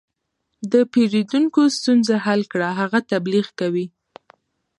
د پیرودونکي ستونزه حل کړه، هغه تبلیغ کوي.